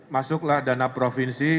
masuklah dana provinsi